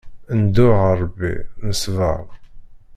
Nḍuɛ Ṛebbi, nesbeṛ.